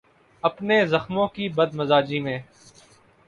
اپنے زخموں کی بد مزاجی میں